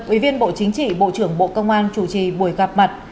ủy viên bộ chính trị bộ trưởng bộ công an chủ trì buổi gặp mặt